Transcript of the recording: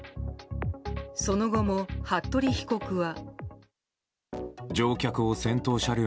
その後も服部被告は。